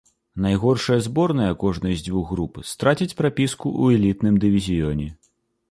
Найгоршая зборная кожнай з дзвюх груп страціць прапіску ў элітным дывізіёне.